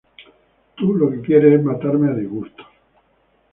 Tú lo que quieres es matarme a disgustos.